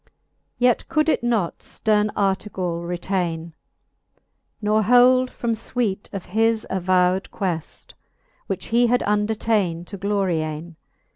Yet could It not fterne Artegall retaine, Nor hold from fuite of his avowed queft, Which he had undertane to Gloriam j.